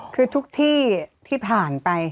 คือทุกที่ที่ผ่านไป